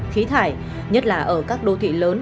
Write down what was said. khí thải nhất là ở các đô thị lớn